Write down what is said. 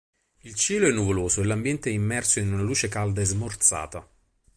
Il cielo è nuvoloso e l'ambiente è immerso in una luce calda e smorzata.